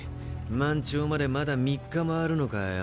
満潮までまだ３日もあるのかよ。